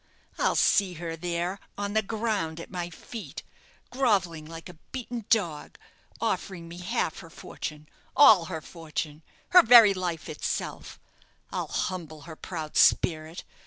I'll see her there, on the ground at my feet, grovelling like a beaten dog, offering me half her fortune all her fortune her very life itself! I'll humble her proud spirit!